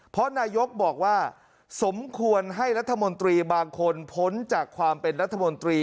เพราะนายกบอกว่าสมควรให้รัฐมนตรีบางคนพ้นจากความเป็นรัฐมนตรี